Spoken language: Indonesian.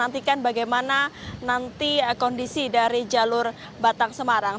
nantikan bagaimana nanti kondisi dari jalur batang semarang